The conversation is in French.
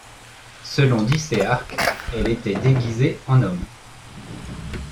Selon Dicéarque, elle était déguisée en homme.